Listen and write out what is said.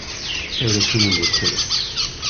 ¡ Eres un embustero!